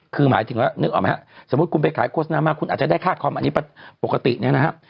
คือหมายถึงว่านึกออกไหมฮะสมมุติคุณไปขายโฆษณามาคุณอาจจะได้ค่าคอมอันนี้ปกติเนี่ยนะครับ